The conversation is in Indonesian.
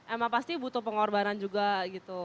emang pasti butuh pengorbanan juga gitu